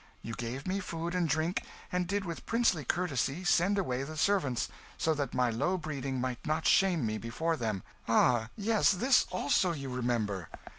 You gave me food and drink, and did with princely courtesy send away the servants, so that my low breeding might not shame me before them ah, yes, this also you remember."